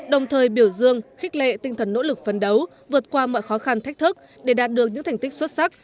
đồng thời biểu dương khích lệ tinh thần nỗ lực phấn đấu vượt qua mọi khó khăn thách thức để đạt được những thành tích xuất sắc